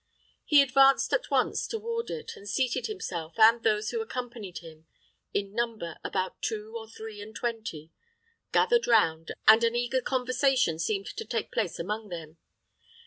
He advanced at once toward it and seated himself, and those who accompanied him, in number about two or three and twenty, gathered round, and an eager conversation seemed to take place among them.